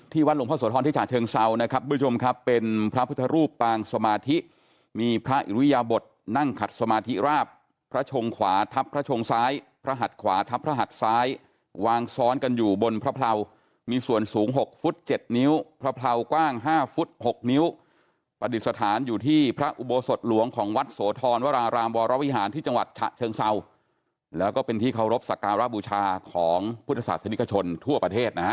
ที่เคารพสักการณ์รับบูชาของพุทธศาสตร์สนิทชนทั่วประเทศนะครับ